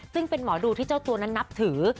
ซึ่งเป็นหมอดูที่เจ้าตัวนั้นนับถือ